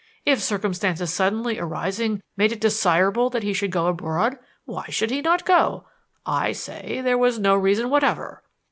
If circumstances suddenly arising made it desirable that he should go abroad, why should he not go? I say there was no reason whatever.